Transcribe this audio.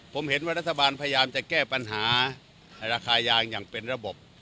ผมเห็นว่ารัฐบาลพยายามจะแก้ปัญหาราคายางอย่างเป็นระบบ